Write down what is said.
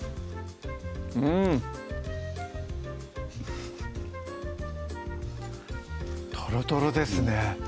うんとろとろですね